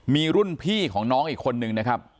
มีรุ่นพี่ของน้องอีกคนนึงนะครับ